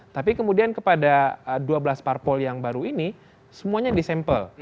tapi kemudian kepada dua belas parpol yang baru ini semuanya disampel